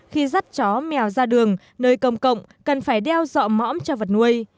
khi dắt chó mèo ra đường nơi công cộng cần phải đeo dọa mõm cho vật nuôi